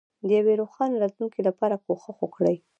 د یوې روښانه راتلونکې لپاره کوښښ وکړئ.